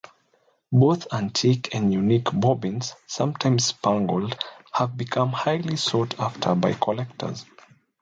Both antique and unique bobbins, sometimes spangled, have become highly sought after by collectors.